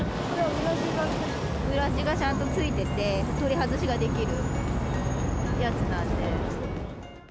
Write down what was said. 裏地がちゃんとついてて、取り外しができるやつなんで。